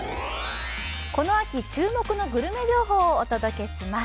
この秋注目のグルメ情報をお届けします。